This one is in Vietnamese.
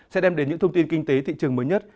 sẽ đem đến những thông tin kinh tế thị trường mới nhất